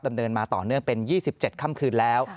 ดำเนินมาต่อเนื่องเป็น๒๗ค่ำคืนแล้ว